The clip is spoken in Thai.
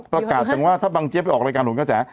ประกาศจังว่าถ้าบังเจี๊ยไปออกรายการหนกระแส